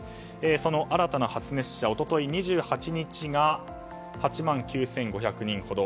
その新たな発熱者一昨日２８日が８万９５００人ほど。